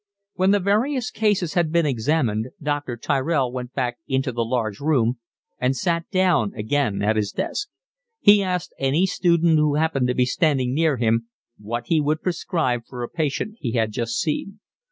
When the various cases had been examined Dr. Tyrell went back into the large room and sat down again at his desk. He asked any student who happened to be standing near him what he would prescribe for a patient he had just seen.